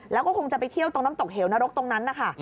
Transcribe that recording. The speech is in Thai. แล้วก็คงจะไปเที่ยวตรงน้ำตกเหวนรกตรงนั้นนะคะ